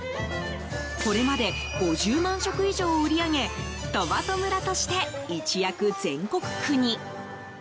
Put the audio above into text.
これまで５０万食以上を売り上げトマト村として、一躍全国区に。